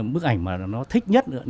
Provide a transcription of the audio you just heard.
bức ảnh mà nó thích nhất